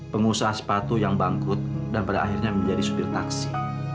pengusaha sepatu yang bangkrut dan pada akhirnya menjadi supir taksi